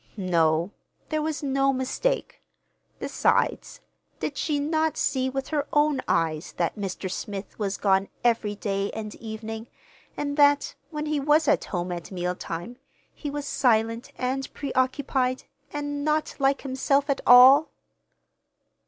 No, there was no mistake. Besides, did she not see with her own eyes that Mr. Smith was gone every day and evening, and that, when he was at home at meal time, he was silent and preoccupied, and not like himself at all?